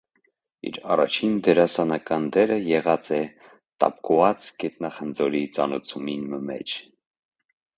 Իր առաջին դերասանական դերը եղած է տապկուած գետնախնձորի ծանոցումի մը մէջ։